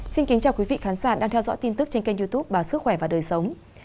xin kính chào quý vị khán giả đang theo dõi tin tức trên kênh youtube báo sức khỏe và đời sống